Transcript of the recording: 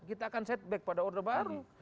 kita akan setback pada order baru